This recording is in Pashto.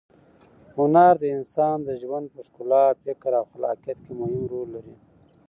هنر د انسان د ژوند په ښکلا، فکر او خلاقیت کې مهم رول لري.